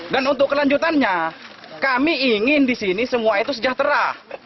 dan untuk kelanjutannya kami ingin di sini semua itu sejahtera